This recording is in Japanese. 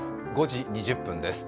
５時２０分です。